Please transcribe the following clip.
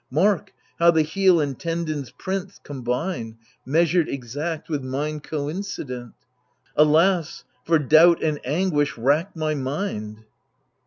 Mark, how the heel and tendons' print combine. Measured exact, with mine coincident 1 Alas, for doubt and anguish rack my mind.